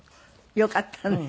よかったね。